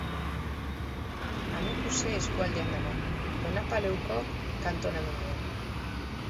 Amikuze eskualdean dago, Donapaleuko kantonamenduan.